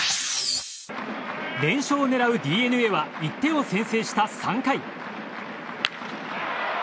連勝を狙うＤｅＮＡは１点を先制した３回。